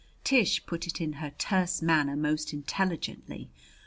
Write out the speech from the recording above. Tish put it in her terse manner most intelligently.